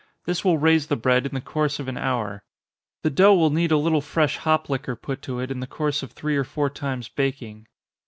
This will raise the bread in the course of an hour. The dough will need a little fresh hop liquor put to it, in the course of three or four times baking.